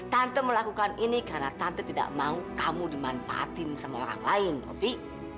tante melakukan ini karena tante tidak mau kamu dimanfaatin sama orang lain novi